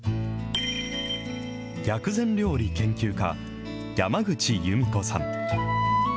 薬膳料理研究家、山口由美子さん。